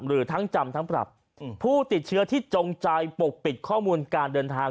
หรือทั้งจำทั้งปรับผู้ติดเชื้อที่จงใจปกปิดข้อมูลการเดินทาง